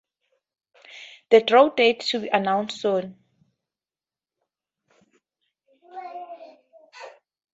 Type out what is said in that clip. The draw date to be announced soon.